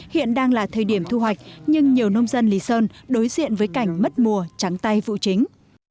hiện đang là thời điểm thu hoạch nhưng nhiều nông dân lý sơn đối diện với cảnh mất mùa trắng tay vụ chính